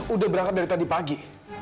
udah berangkat dari tadi pagi